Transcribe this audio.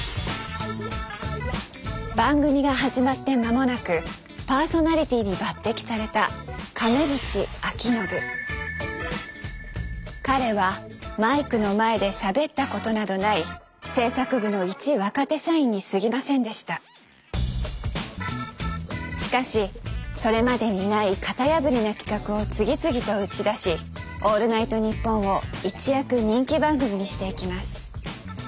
番組が始まって間もなくパーソナリティーに抜擢された彼はマイクの前でしゃべったことなどない制作部の一若手社員にすぎませんでした。しかしそれまでにない型破りな企画を次々と打ち出し「オールナイトニッポン」を一躍人気番組にしていきます。